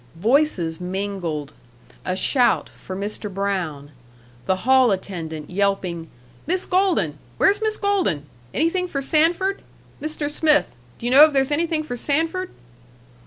Voices mingled; a shout for Mr. Brown; the hall attendant yelping: "Miss Golden! Where's Miss Golden? Anything for Sanford? Mr. Smith, d'you know if there's anything for Sanford?"